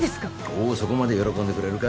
おっそこまで喜んでくれるか。